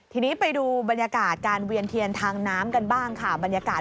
ทีนี้ไปดูบรรยากาศการเวียนเทียนทางน้ำกันบ้างค่ะบรรยากาศ